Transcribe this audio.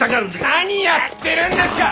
何やってるんですか！